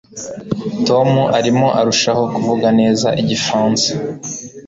tom arimo arushaho kuvuga neza igifaransa